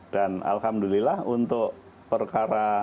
dan alhamdulillah untuk perusahaan ini